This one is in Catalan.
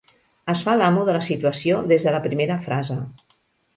Es fa l'amo de la situació des de la primera frase.